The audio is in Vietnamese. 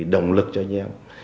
động lực cho anh em